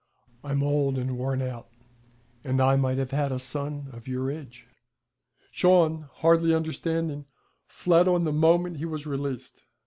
'I'm old and worn out, and I might have had a son of your age.' Shawn, hardly understanding, fled on the moment he was released.